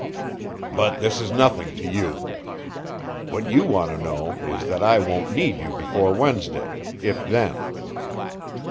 "But this is nothing to you. What you want to know is that I won't need you before Wednesday, if then."